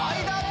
間！